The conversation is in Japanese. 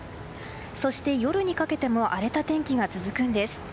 そして夜にかけても荒れた天気が続くんです。